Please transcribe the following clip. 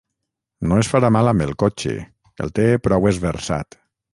No es farà mal amb el cotxe: el té prou esversat.